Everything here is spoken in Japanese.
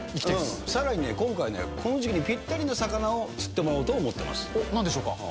さらに今回ね、この時期にぴったりの魚を釣ってもらおうと思ってなんでしょうか？